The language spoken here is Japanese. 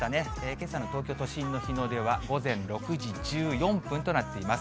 けさの東京都心の日の出は午前６時１４分となっています。